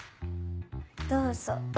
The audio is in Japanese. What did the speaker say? どうぞ。